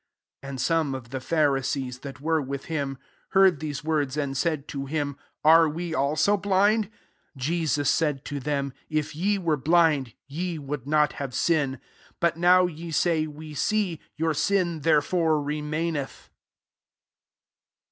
40 [jindli some of the Pharisees that were with him, heard these words, and said to him, " Are we also blind ?" 41 Jesus said to them, If ye were blind, ye would not have sin : but now ye say, * We see ;' your sin [there' /'ore'] remaineth.